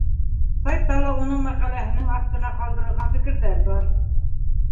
Сайтта ла уның мәҡәләһенең аҫтына ҡалдырылған фекерҙәр бар.